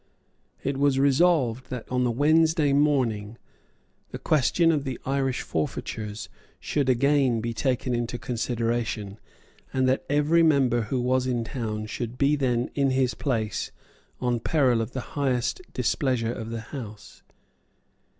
It was resolved that on the Wednesday morning the question of the Irish forfeitures should again be taken into consideration, and that every member who was in town should be then in his place on peril of the highest displeasure of the House.